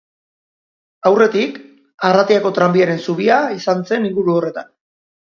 Aurretik, Arratiako tranbiaren zubia izan zen inguru horretan.